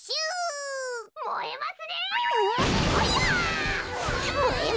もえますねえ！